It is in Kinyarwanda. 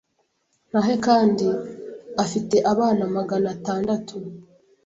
Ntahe kandi afite abana magana tandatu